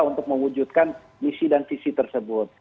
untuk mewujudkan misi dan visi tersebut